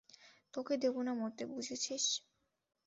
তোকে দেব না মরতে, বুঝেছিস?